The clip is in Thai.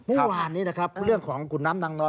เมื่อวานนี้นะครับเรื่องของขุนน้ำนางนอน